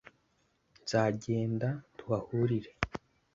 nzagenda tuhahurire